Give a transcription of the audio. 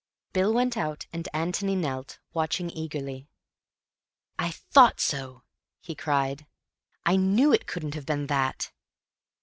Bill went out and Antony knelt, watching eagerly. "I thought so!" he cried. "I knew it couldn't have been that."